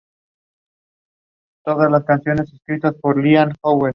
Fue criada en el norte de Chicago, Illinois, en el barrio "Logan Square".